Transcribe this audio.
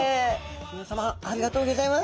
皆さまありがとうギョざいます。